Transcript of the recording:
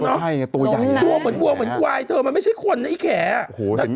ในตัวใยแบบว่าแบบไว้แล้วไม่ใช่คุณให้แขนรึครับ